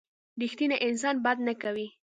رښتینی انسان بد نه کوي.